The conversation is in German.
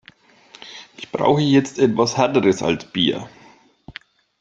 Ich brauche jetzt etwas härteres als Bier.